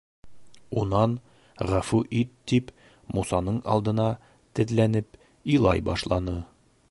Унан, ғәфү ит, тип Мусаның алдына теҙләнеп илай башланы.